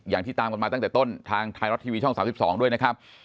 อย่างที่ตามกันมาตั้งแต่ต้นทางไทยรัฐทีวีช่อง๓๒ด้วยนะครับ